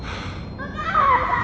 お母さん！